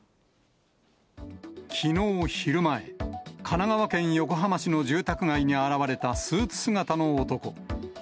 きのう昼前、神奈川県横浜市の住宅街に現れたスーツ姿の男。